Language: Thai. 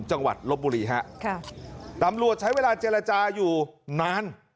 ลบบุรีฮะค่ะตำรวจใช้เวลาเจรจาอยู่นาน